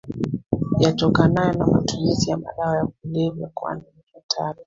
yatokanayo na matumizi ya madawa ya kulevya kwani ni hatari